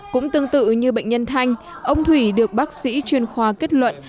cũng tương tự như bệnh nhân thanh ông thủy được bác sĩ chuyên khoa kết luận